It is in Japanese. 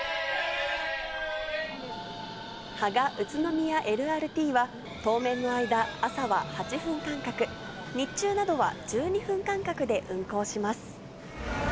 芳賀・宇都宮ＬＲＴは、当面の間、朝は８分間隔、日中などは１２分間隔で運行します。